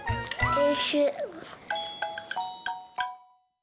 おいしい。